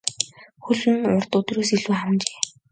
Хөл нь урд өдрөөс илүү хавагнажээ.